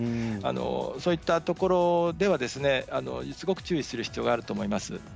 そういったところではすごく注意する必要があると思います。